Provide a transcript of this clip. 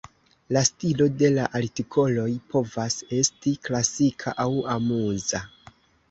La stilo de la artikoloj povas esti "klasika aŭ amuza".